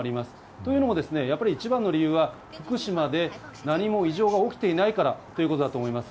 というのも、やっぱり一番の理由は、福島で何も異常が起きていないからということだと思います。